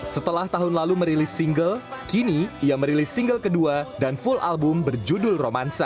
setelah tahun lalu merilis single kini ia merilis single kedua dan full album berjudul romansa